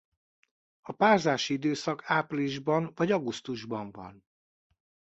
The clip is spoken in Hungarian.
A párzási időszak áprilisban vagy augusztusban van.